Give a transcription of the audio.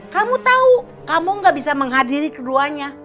kamu tahu kamu gak bisa menghadiri keduanya